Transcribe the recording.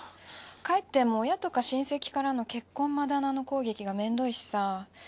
帰っても親とか親戚からの結婚まだなの攻撃がめんどいしさ。